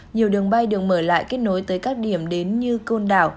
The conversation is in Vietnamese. nhiều đường bay đường mở lại kết nối tới các điểm đến như côn đảo